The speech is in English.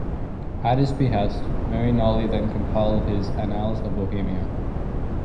At his behest, Marignolli then compiled his "Annals of Bohemia".